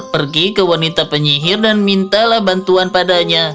pergi ke wanita penyihir dan mintalah bantuan padanya